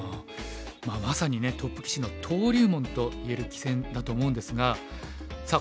まさにねトップ棋士の登竜門といえる棋戦だと思うんですがさあ